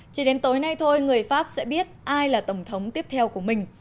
chỉ đến tối nay thôi người pháp sẽ biết ai là tổng thống tiếp theo của mình